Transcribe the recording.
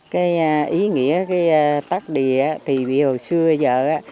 cái ý nghĩa tắt đìa thì hồi xưa giờ